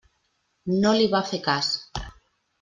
No li va fer cas.